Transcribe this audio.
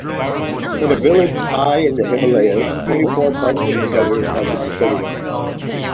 In a village high in the Himalayas, twenty-four priceless treasures have been stolen.